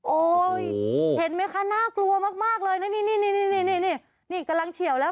เห็นไหมคะน่ากลัวมากเลยนะนี่นี่กำลังเฉียวแล้ว